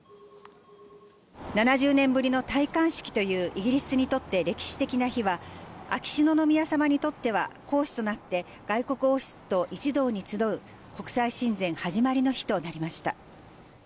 ７０年ぶりの戴冠式というイギリスにとって歴史的な日は、秋篠宮家様にとっては皇嗣となって外国王室と一堂に集う、国際親善始まりの日となりました。